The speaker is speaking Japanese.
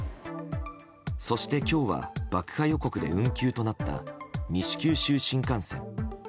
そして今日は爆破予告で運休となった西九州新幹線。